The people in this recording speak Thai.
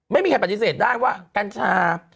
ไม่มีใครปฏิเสธได้ว่ากัญชา